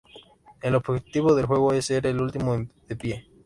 El objetivo del juego es ser el último de pie.